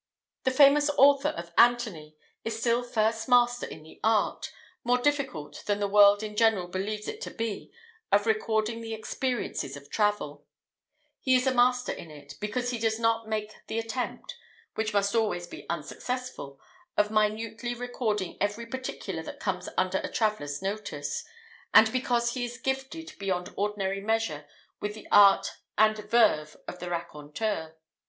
The famous author of "Anthony" is still first master in the art, more difficult than the world in general believes it to be, of recording the experiences of travel; he is a master in it, because he does not make the attempt, which must always be unsuccessful, of minutely recording every particular that comes under a traveller's notice, and because he is gifted beyond ordinary measure with the art and verve of the raconteur.